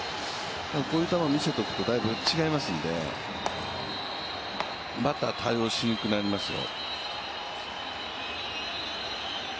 こういう球を見せておくとだいぶ違いますんで、バッターは対応しにくくなりますよ。